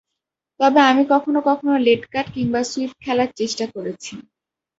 তবে আমি কখনো কখনো লেট কাট কিংবা সুইপ খেলার চেষ্টা করেছি।